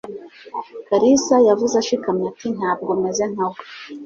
Kalisa yavuze ashikamye ati: "Ntabwo meze nka we."